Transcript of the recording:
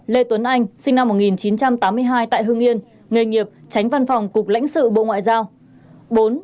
lê tuấn anh sinh năm một nghìn chín trăm tám mươi hai tại hưng yên nghề nghiệp tránh văn phòng cục lãnh sự bộ ngoại giao